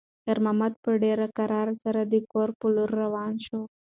خیر محمد په ډېرې کرارۍ سره د کور په لور روان شو.